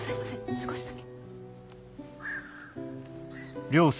少しだけ。